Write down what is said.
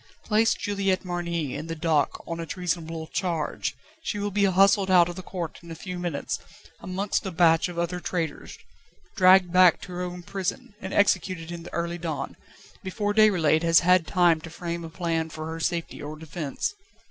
Place Juliette Marny in the dock on a treasonable charge, she will be hustled out of the court in a few minutes, amongst a batch of other traitors, dragged back to her own prison, and executed in the early dawn, before Déroulède has had time to frame a plan for her safety or defence.